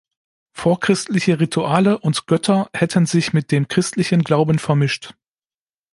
Vorchristliche Rituale und Götter hätten sich mit dem christlichen Glauben vermischt.